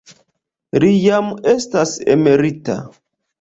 Li jam estas emerita.